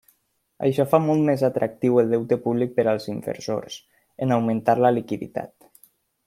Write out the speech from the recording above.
Això fa molt més atractiu el deute públic per als inversors, en augmentar la liquiditat.